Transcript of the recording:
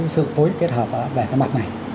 sự phối kết hợp về cái mặt này